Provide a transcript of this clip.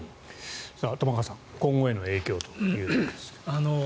玉川さん今後への影響というところ。